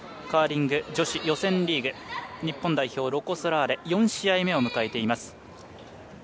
カーリング女子予選リーグ日本代表、ロコ・ソラーレ４試合目を迎えています。